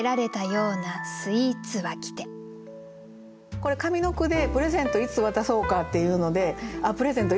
これ上の句で「プレゼントいつ渡そうか」っていうのであっプレゼント